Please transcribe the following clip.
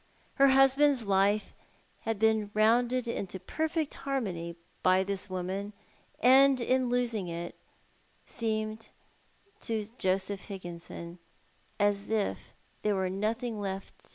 Her husband's life had been rounded into perfect harmony by this woman : and in osing her It seemed to Joseph Higginson as if there were nothing left